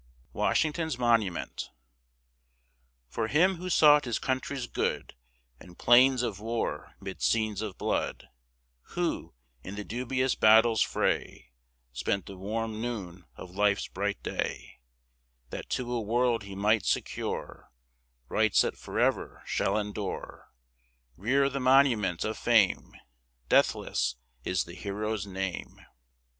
WASHINGTON'S MONUMENT For him who sought his country's good In plains of war, mid scenes of blood; Who, in the dubious battle's fray, Spent the warm noon of life's bright day, That to a world he might secure Rights that forever shall endure, Rear the monument of fame! Deathless is the hero's name.